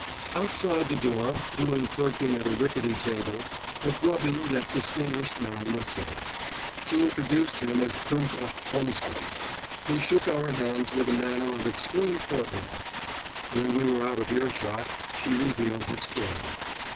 Outside the door, doing clerking at a ricketty table, a grubby yet distinguished man was sitting. She introduced him as Prince Ouhtomsky. He shook our hands with a manner of extreme courtliness; when we were out of earshot, she revealed his story.